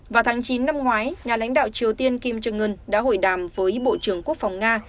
vào tháng chín năm ngoái nhà lãnh đạo triều tiên kim jong un đã hội đàm với bộ trưởng quốc phòng nga